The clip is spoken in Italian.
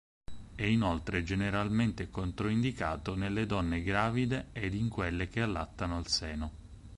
È inoltre generalmente controindicato nelle donne gravide ed in quelle che allattano al seno.